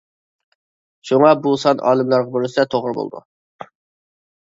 شۇڭا، بۇ سان ئالىملارغا بېرىلسە توغرا بولىدۇ.